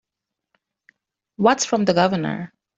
What's from the Governor?